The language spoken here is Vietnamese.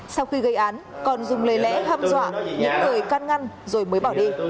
sau khi gây án còn dùng lời lẽ hâm dọa những người can ngăn rồi mới bỏ đi